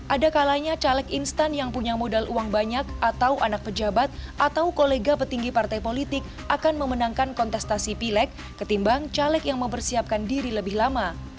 ada kalanya caleg instan yang punya modal uang banyak atau anak pejabat atau kolega petinggi partai politik akan memenangkan kontestasi pilek ketimbang caleg yang mempersiapkan diri lebih lama